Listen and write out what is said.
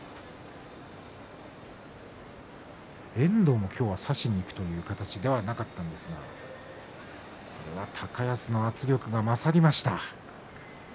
遠藤も今日は差しにいくという形ではなかったですが高安の圧力が勝りました。